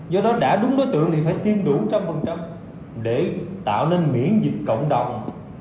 do đó đã đúng đối tượng thì phải tiêm đủ một trăm linh để tạo nên miễn dịch cộng đồng